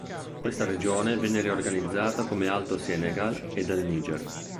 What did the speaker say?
Questa regione venne riorganizzata come Alto Senegal e del Niger.